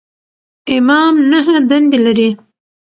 امام نهه دندې لري.